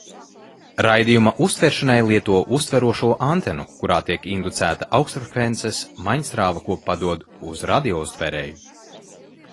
Raidījuma uztveršanai lieto uztverošo antenu, kurā tiek inducēta augstfrekvences maiņstrāva, ko padod uz radiouztvērēju.